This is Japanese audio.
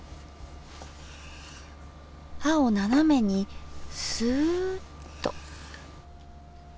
刃を斜めにすっと。